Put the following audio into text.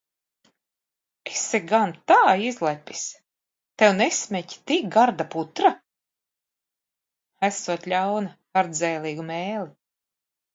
Esi gan tā izlepis. Tev nesmeķ tik garda putra? Esot ļauna, ar dzēlīgu mēli.